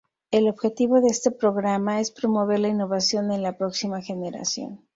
El objetivo de este programa es promover la innovación en la próxima generación.